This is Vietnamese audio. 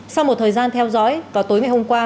sau một thời gian theo dõi vào tối ngày hôm qua